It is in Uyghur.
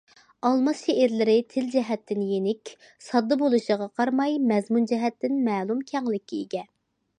ئالماس شېئىرلىرى تىل جەھەتتىن يېنىك، ساددا بولۇشىغا قارىماي، مەزمۇن جەھەتتىن مەلۇم كەڭلىككە ئىگە.